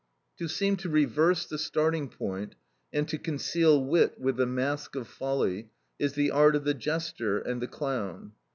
To seem to reverse the starting point, and to conceal wit with the mask of folly, is the art of the jester and the clown.